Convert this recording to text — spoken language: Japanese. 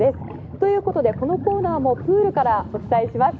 ということで、このコーナーもプールからお伝えします。